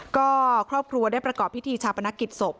ก็ครอบครัวได้ประกอบพิธีชาปนกิจศพ